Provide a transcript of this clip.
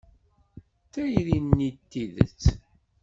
D tayri-nni n tidet.